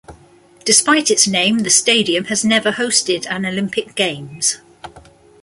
Despite its name, the stadium has never hosted an Olympic Games.